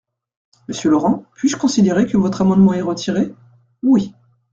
Monsieur Laurent, puis-je considérer que votre amendement est retiré ? Oui.